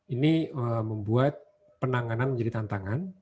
ini membuat penanganan menjadi tantangan